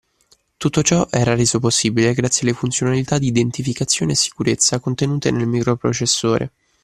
Tutto ciò verrà reso possibile grazie alle funzionalità di identificazione e sicurezza contenute nel microprocessore